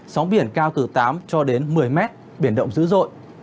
sóng biển cao từ tám cho đến một mươi mét biển động dữ dội